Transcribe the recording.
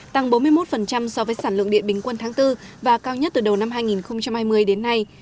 tăng bốn mươi một so với sản lượng điện bình quân tháng bốn và cao nhất từ đầu năm hai nghìn hai mươi đến nay